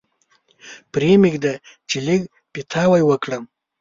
پرې مېږده چې لږ پیتاوی وکړم.